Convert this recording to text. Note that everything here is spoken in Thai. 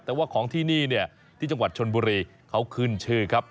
แต่ว่าของที่นี่เนี่ยที่จังหวัดชนบุรีเขาขึ้นชื่อครับ